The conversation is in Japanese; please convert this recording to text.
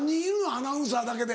アナウンサーだけで。